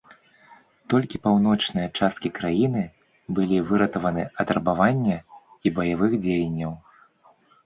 Толькі паўночныя часткі краіны былі выратаваны ад рабавання і баявых дзеянняў.